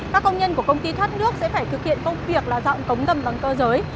các công nhân của công ty thoát nước sẽ phải thực hiện công việc là dọn cống ngầm bằng cơ giới